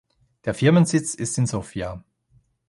Der Firmensitz ist in Sofia.